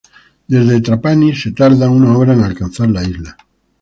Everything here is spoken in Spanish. Desde Trapani, se tarda una hora en alcanzar la isla.